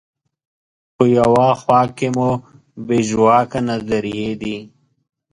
په یوه خوا کې مو بې ژواکه نظریې دي.